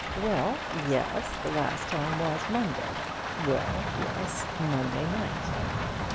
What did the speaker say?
Well, yes, the last time was Monday—well, yes, Monday night.